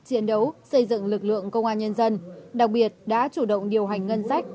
chiến đấu xây dựng lực lượng công an nhân dân đặc biệt đã chủ động điều hành ngân sách